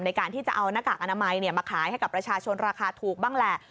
ในการที่จะเอาหน้ากากอนามัยมาขายให้กับประชาชนราคาถูกบ้างแหละ